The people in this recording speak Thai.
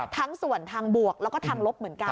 ทั้งส่วนทางบวกแล้วก็ทางลบเหมือนกัน